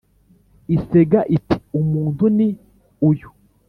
isega iti ” umuntu ni uyu